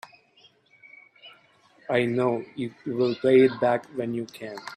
I know you'll pay it back when you can.